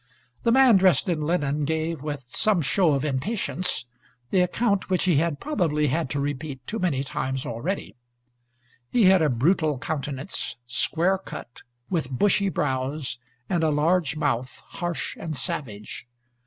The man dressed in linen gave, with some show of impatience, the account which he had probably had to repeat too many times already. He had a brutal countenance, square cut, with bushy brows, and a large mouth, harsh and savage.